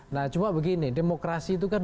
nah cuma begini demokrasi itu kan